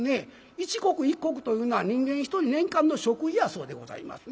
一石一石というのは人間１人年間の食費やそうでございますね。